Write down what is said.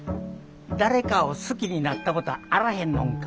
誰かを好きになったことあらへんのんか？